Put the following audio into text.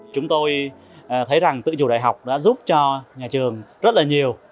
chúng tôi thấy rằng tự chủ đại học đã giúp cho nhà trường rất là nhiều